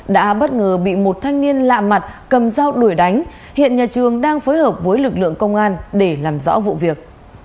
đã bất ngờ bị một thanh niên lạ mặt cầm dao đuổi đánh hiện nhà trường đang phối hợp với lực lượng công an để làm rõ vụ việc